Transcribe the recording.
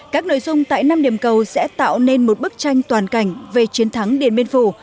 các nội dung tại năm điểm cầu sẽ tạo nên một bức tranh toàn cảnh về chiến thắng điện biên phủ